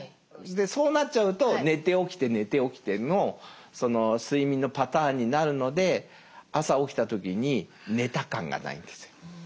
そうなっちゃうと寝て起きて寝て起きての睡眠のパターンになるので朝起きた時に「寝た感」がないんですよ。